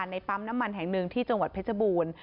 ในปั๊มน้ำมันแห่งหนึ่งที่จังหวัดเพชรบูรณ์